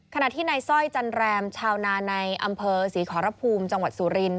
ขณะที่นายสร้อยจันแรมชาวนาในอำเภอศรีขอรภูมิจังหวัดสุรินท